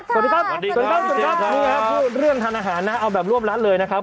สวัสดีครับสวัสดีครับสวัสดีครับพูดเรื่องทานอาหารนะเอาแบบร่วมร้านเลยนะครับ